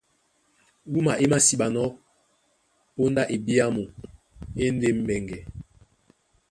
Wúma é māsiɓanɔ́ póndá ebyàmu e e ndé mbɛŋgɛ.